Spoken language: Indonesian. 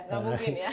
ya nggak mungkin ya